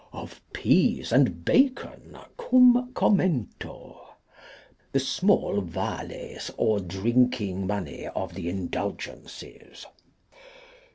Of Peas and Bacon, cum Commento. The Small Vales or Drinking Money of the Indulgences.